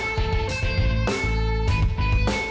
wah siapa mah